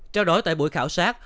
trao đổi tại buổi khảo sát